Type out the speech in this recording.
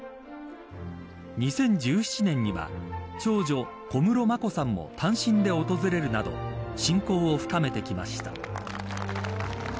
２０１７年には長女、小室眞子さんも単身で訪れるなど親交を深めてきました。